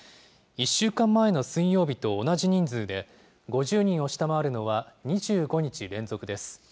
１週間前の水曜日と同じ人数で、５０人を下回るのは２５日連続です。